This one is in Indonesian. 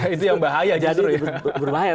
itu yang bahaya justru ya